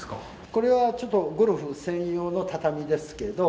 これはちょっと、ゴルフ専用の畳ですけど。